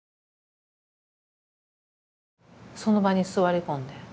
その場に座り込んで。